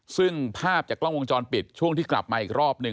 ซึ่งภาพจากกล้องวงจรปิดช่วงที่กลับมาอีกรอบหนึ่ง